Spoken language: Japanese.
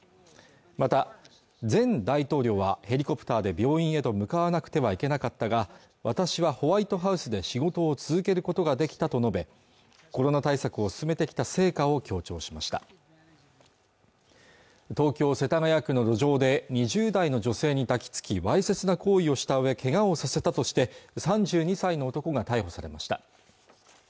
また前大統領はヘリコプターで病院へと向かわなくてはいけなかったが私はホワイトハウスで仕事を続けることができたと述べコロナ対策を進めてきた成果を強調しました東京・世田谷区の路上で２０代の女性に抱きつきわいせつな行為をした上ケガをさせたとして３２歳の男が逮捕されました